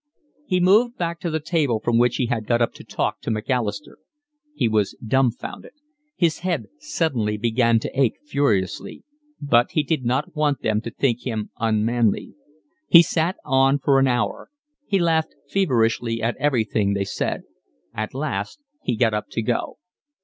He moved back to the table from which he had got up to talk to Macalister. He was dumfounded; his head suddenly began to ache furiously; but he did not want them to think him unmanly. He sat on for an hour. He laughed feverishly at everything they said. At last he got up to go.